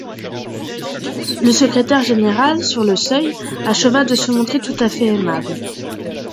Le secrétaire général, sur le seuil, acheva de se montrer tout à fait aimable.